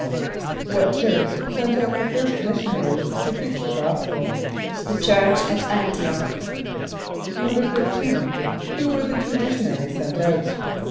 = What church sent out the first missionaries to preach the gospel? =The church at [)A]n´t[)i] och.= =13.= Who were the two missionaries sent out?